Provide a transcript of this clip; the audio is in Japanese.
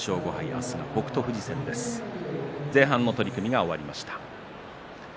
前半の取組が終わりました。